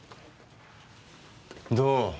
どう？